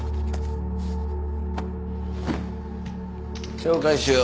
紹介しよう。